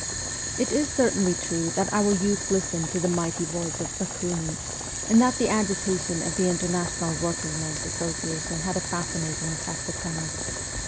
It is certainly true that our youth listened to the mighty voice of Bakunin, and that the agitation of the International Workingmen's Association had a fascinating effect upon us.